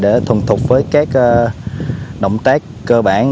để thuần thuộc với các động tác cơ bản